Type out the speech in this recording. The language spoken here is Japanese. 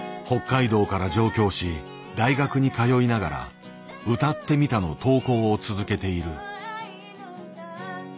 北海道から上京し大学に通いながら「歌ってみた」の投稿を続けている。